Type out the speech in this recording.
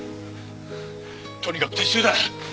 とにかく撤収だ！